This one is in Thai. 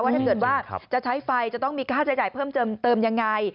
ถ้าเกิดว่าจะใช้ไฟจะต้องมีค่าใช้จ่ายเพิ่มเติมยังไง